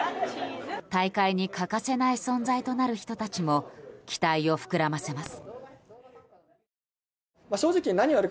大会に欠かせない存在となる人たちも期待を膨らませます。